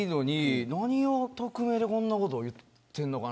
何を匿名でこんなこと言っているのか